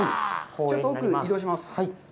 ちょっと奥に移動します。